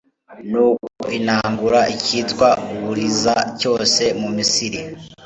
nuko inangura icyitwa uburiza cyose mu misiri